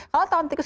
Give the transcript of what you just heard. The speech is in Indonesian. kalau tahun tikus